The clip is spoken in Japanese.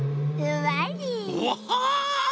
うわ！